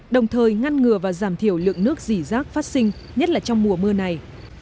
đồng thời ngăn ngừa và giảm thiểu lượng nước dỉ rác phát sinh nhất là trong mùa mưa này